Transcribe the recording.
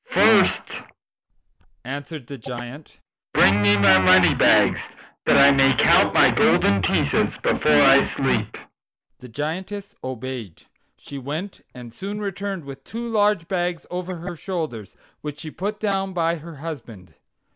"First," answered the Giant, "bring me my money bags, that I may count my golden pieces before I sleep." The Giantess obeyed. She went and soon returned with two large bags over her shoulders, which she put down by her husband.